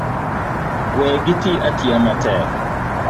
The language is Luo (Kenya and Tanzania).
We giti atiyo matek